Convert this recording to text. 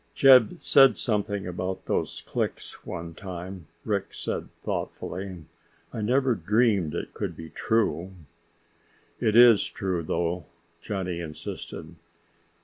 "Jeb said something about those clicks one time," Rick said thoughtfully. "I never dreamed it could be true." "It is true, though," Johnny insisted.